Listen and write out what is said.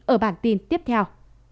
ở bản tin tiếp theo